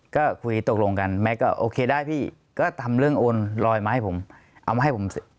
ก็คุยตกลงกันแม็กซ์ก็โอเคได้พี่ก็ทำเรื่องโอนลอยมาให้ผม